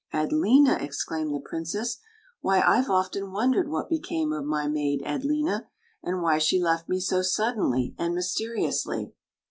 " Adlena!" exclaimed the princess. "Why, I Ve often wondered what became of my maid Adlena, and why she left me so suddenly and mysteriously."